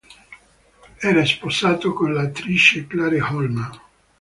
Era sposato con l'attrice Clare Holman.